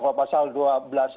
kalau pasal dua belas